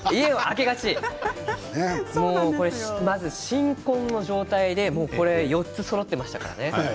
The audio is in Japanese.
新婚の状態で４つそろっていましたからね。